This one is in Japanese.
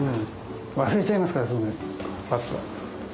忘れちゃいますからすぐぱっと。